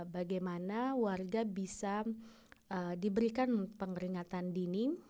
bagaimana warga bisa diberikan pengeringatan dini